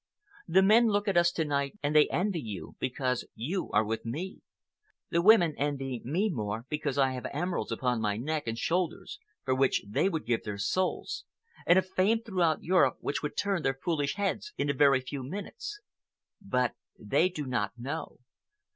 The men look at us to night and they envy you because you are with me. The women envy me more because I have emeralds upon my neck and shoulders for which they would give their souls, and a fame throughout Europe which would turn their foolish heads in a very few minutes. But they do not know.